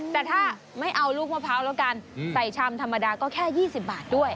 แต่ถ้าไม่เอาลูกมะพร้าวแล้วกันใส่ชามธรรมดาก็แค่๒๐บาทด้วย